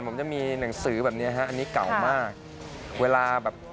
ผมจะมีหนังสือแบบเนี้ยฮะอันนี้เก่ามากเวลาแบบ